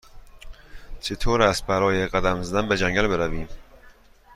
چطور است برای قدم زدن به جنگل برویم؟